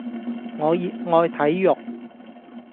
我熱愛睇肉